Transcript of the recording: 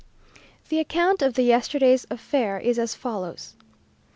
The account of the yesterday's affair is as follows.